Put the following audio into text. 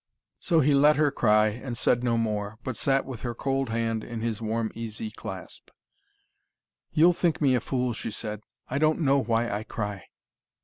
So he let her cry, and said no more, but sat with her cold hand in his warm, easy clasp. "You'll think me a fool," she said. "I don't know why I cry."